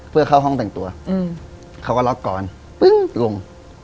เพื่อเข้าห้องแต่งตัวเขาก็ล็อกก่อนปึ้งลง